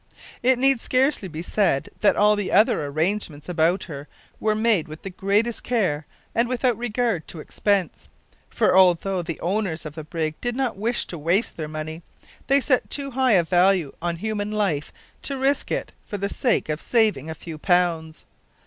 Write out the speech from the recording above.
It need scarcely be said that all the other arrangements about her were made with the greatest care and without regard to expense, for although the owners of the brig did not wish to waste their money, they set too high a value on human life to risk it for the sake of saving a few pounds.